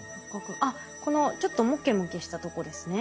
あっこのちょっとモケモケしたとこですね。